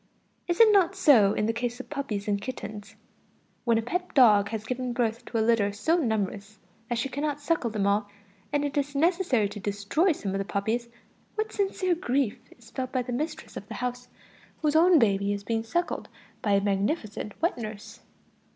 Is it not so in the case of puppies and kittens? When a pet dog has given birth to a litter so numerous that she cannot suckle them all, and it is necessary to destroy some of the puppies, what sincere grief is felt by the mistress of the house, whose own baby is being suckled by a magnificent wet nurse!